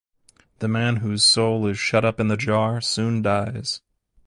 The man whose soul is shut up in the jar soon dies.